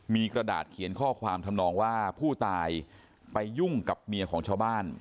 มีกระดาษเขียนข้อความทำนองว่าผู้ตายไปยุ่งกับเมียของชาวบ้าน